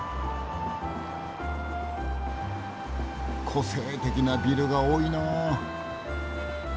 個性的なビルが多いなあ。